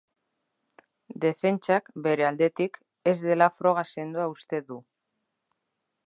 Defentsak, bere aldetik, ez dela froga sendoa uste du.